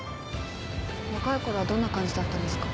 若いころはどんな感じだったんですか？